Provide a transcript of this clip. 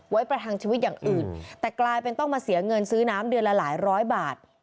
ประทังชีวิตอย่างอื่นแต่กลายเป็นต้องมาเสียเงินซื้อน้ำเดือนละหลายร้อยบาท